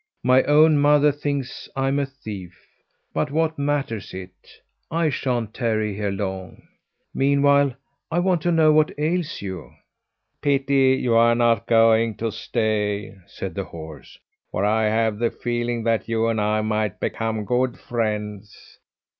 "My own mother thinks I am a thief. But what matters it I sha'n't tarry here long. Meanwhile, I want to know what ails you." "Pity you're not going to stay," said the horse, "for I have the feeling that you and I might become good friends.